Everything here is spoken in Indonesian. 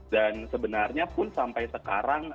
dan sebenarnya pun sampai sekarang